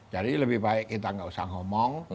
jadi lebih baik kita nggak usah ngomong